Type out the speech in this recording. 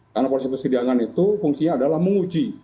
karena proses persidangan itu fungsinya adalah menguji